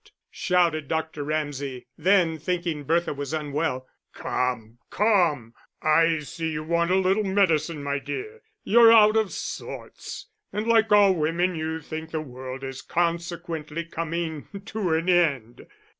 shouted Dr. Ramsay; then thinking Bertha was unwell: "Come, come, I see you want a little medicine, my dear. You're out of sorts, and like all women you think the world is consequently coming to an end."